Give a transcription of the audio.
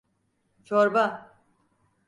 Çorba!